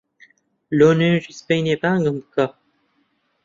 لۆ نوێژی سبەینێ بانگم بکە.